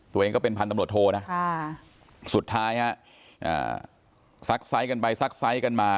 ตัวเองก็เป็นพันธุ์ตำรวจโทนะสุดท้ายซักใจกันไปซักใจกันมา